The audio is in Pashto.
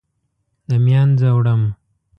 د مینځه وړم